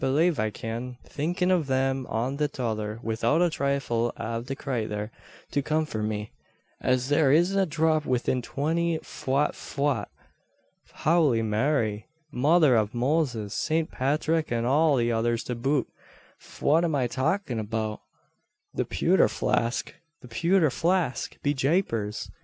I don't belave I cyan, thinkin' av tham an the tother, widout a thrifle av the crayther to comfort me. An' thare isn't a dhrap widin twenty Fwhat fwhat! Howly Mary! Mother av Moses! Sant Pathrick and all the others to boot, fwhat am I talkin' about? The pewther flask the pewther flask! Be japers!